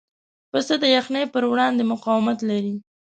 پسه د یخنۍ پر وړاندې مقاومت لري.